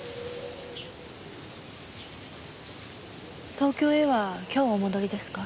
東京へは今日お戻りですか？